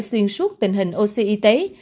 xuyên suốt tình hình oxy y tế